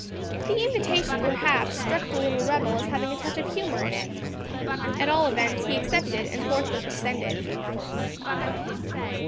The invitation perhaps struck the little rebel as having a touch of humour in it. At all events he accepted it and forthwith descended.